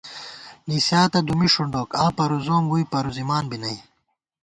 نِسِیاتہ دُمّی ݭُنڈوک آں پروزوم ووئی پروزِمان بی نئ